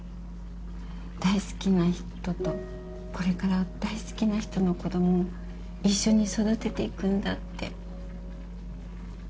大好きな人とこれから大好きな人の子供を一緒に育てていくんだって。